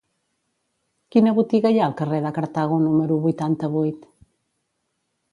Quina botiga hi ha al carrer de Cartago número vuitanta-vuit?